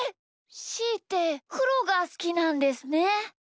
しーってくろがすきなんですね。